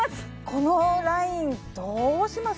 このラインどうします？